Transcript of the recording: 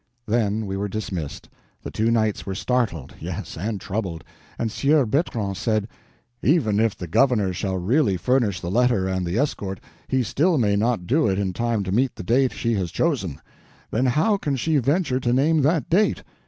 Then we were dismissed. The two knights were startled—yes, and troubled; and the Sieur Bertrand said: "Even if the governor shall really furnish the letter and the escort, he still may not do it in time to meet the date she has chosen. Then how can she venture to name that date?